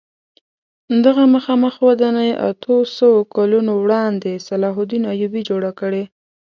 دغه مخامخ ودانۍ اتو سوو کلونو وړاندې صلاح الدین ایوبي جوړه کړې.